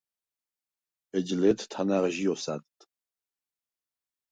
ეჯ ლე̄თ თანა̈ღჟი ოსა̈დდ.